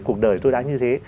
cuộc đời tôi đã như thế